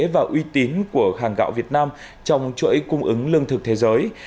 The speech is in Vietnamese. và uy tín của hàng gạo việt nam trong chuỗi cung ứng lương thực thế giới